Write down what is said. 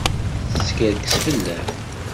Teskerkes fell-am.